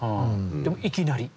でいきなり？